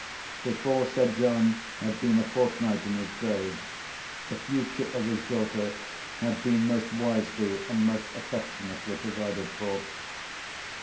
Before Sir John had been a fortnight in his grave, the future of his daughter had been most wisely and most affectionately provided for.